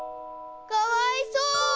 かわいそう！